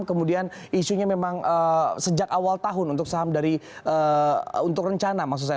kemudian isunya memang sejak awal tahun untuk saham dari untuk rencana maksud saya